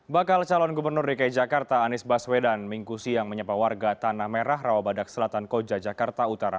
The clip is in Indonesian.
bakal calon gubernur dki jakarta anies baswedan minggu siang menyapa warga tanah merah rawabadak selatan koja jakarta utara